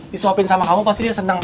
disuapin sama kamu pasti dia senang